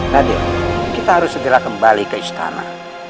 nadia kita harus segera kembali ke istana